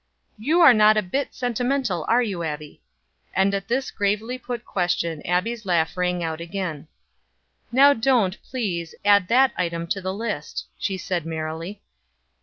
"You are not a bit sentimental; are you, Abbie?" And at this gravely put question Abbie's laugh rang out again. "Now don't, please, add that item to the list," she said merrily.